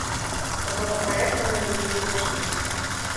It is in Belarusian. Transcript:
Такога праекта мы нідзе не знайшлі.